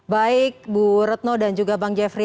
baik bu retno dan juga bang jeffrey